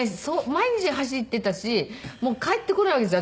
毎日走っていたし帰ってこないわけですよ。